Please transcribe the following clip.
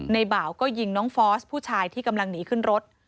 บ่าวก็ยิงน้องฟอสผู้ชายที่กำลังหนีขึ้นรถ